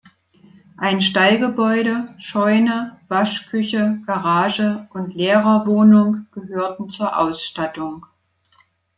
Ein Stallgebäude, Scheune, Waschküche, Garage und Lehrerwohnung gehörten zur "Ausstattung".